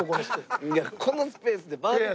いやこのスペースでバーベキュー。